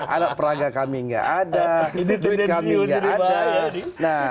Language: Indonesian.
ada perangga kami nggak ada duit kami nggak ada